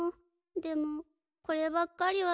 でもこればっかりはさ。